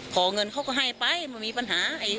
ขอเงินเขาก็ให้ไปมันมีปัญหา